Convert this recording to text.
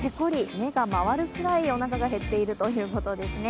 目が回るくらいおなかが減っているということですね。